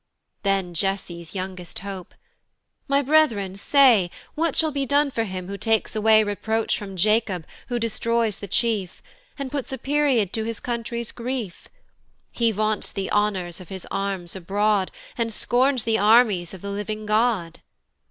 Then Jesse's youngest hope: "My brethren say, "What shall be done for him who takes away "Reproach from Jacob, who destroys the chief. "And puts a period to his country's grief. "He vaunts the honours of his arms abroad, "And scorns the armies of the living God."